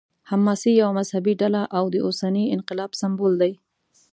حماس یوه مذهبي ډله او د اوسني انقلاب سمبول دی.